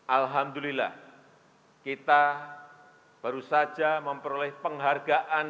alhamdulillah kita baru saja memperoleh penghargaan